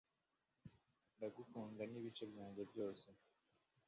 ndagukunda n'ibice byanjye byose